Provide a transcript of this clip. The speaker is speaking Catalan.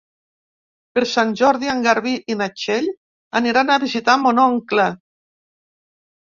Per Sant Jordi en Garbí i na Txell aniran a visitar mon oncle.